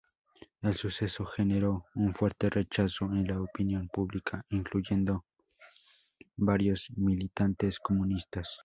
El suceso generó un fuerte rechazo en la opinión pública, incluyendo varios militantes comunistas.